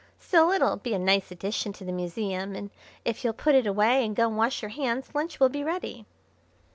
Still, it'll be a nice addition to the museum, and if you'll put it away and go and wash your hands lunch will be ready."